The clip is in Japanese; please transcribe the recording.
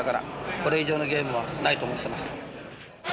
これ以上のゲームはないと思っています。